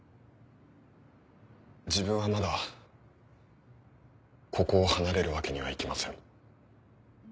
自分はまだここを離れるわけにはいきません。